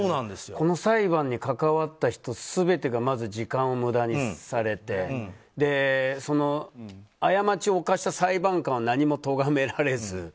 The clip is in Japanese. この裁判に関わった人全てがまず時間を無駄にされてその過ちを犯した裁判官は何もとがめられず。